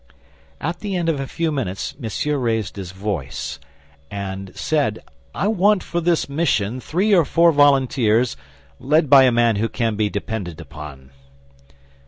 At the end of a few minutes Monsieur raised his voice, and said, "I want for this mission three or four volunteers, led by a man who can be depended upon."